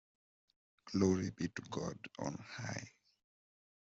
Glory be to God on high.